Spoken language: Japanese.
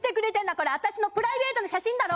これ私のプライベートの写真だろ？